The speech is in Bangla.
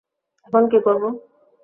এখন কী করব?